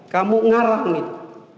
kamu ngarang itu